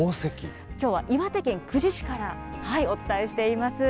きょうは岩手県久慈市からお伝えしています。